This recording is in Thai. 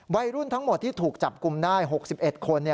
วัยรุ่นทั้งหมดที่ถูกจับกลุ่มได้๖๑คน